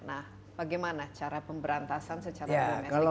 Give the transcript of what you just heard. nah bagaimana cara pemberantasan secara domestik